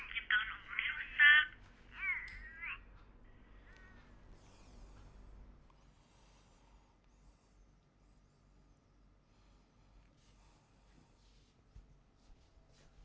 jam tangan umurnya rusak